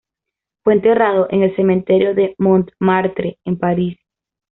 Fue enterrado en el Cementerio de Montmartre, en París.